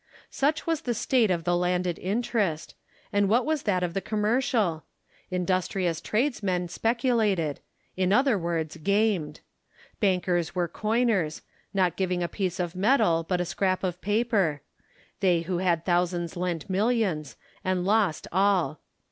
Such was the state of the landed interest; and what was that of the commercial ? Industrious tradesmen speculated ; in other words, gamed. Bankers were coiners ; not giving a piece of metal, but a scrap of paper. They who had thousands lent millions, and lost all.